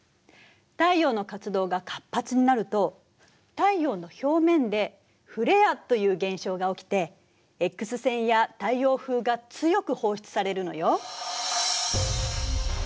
太陽の活動が活発になると太陽の表面でフレアという現象が起きてＸ線や太陽風が強く放出されるのよ。